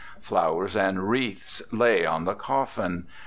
Flowers and wreaths lay on the coffin.